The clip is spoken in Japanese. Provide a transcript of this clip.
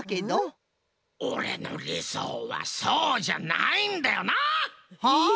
オレのりそうはそうじゃないんだよな！はあ？